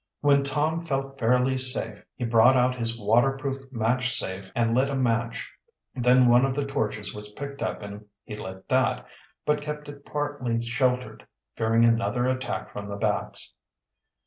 When Tom felt fairly safe he brought out his waterproof match safe and lit a match. Then one of the torches was picked up and he lit that, but kept it partly sheltered, fearing another attack from the bats.